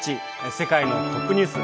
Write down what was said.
世界のトップニュース」。